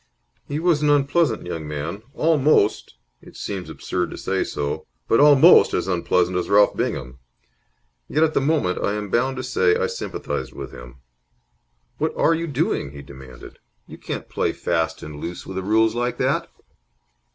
He was an unpleasant young man, almost it seems absurd to say so, but almost as unpleasant as Ralph Bingham; yet at the moment I am bound to say I sympathized with him. "What are you doing?" he demanded. "You can't play fast and loose with the rules like that."